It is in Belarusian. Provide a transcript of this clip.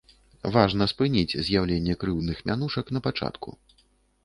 Важна спыніць з'яўленне крыўдных мянушак напачатку.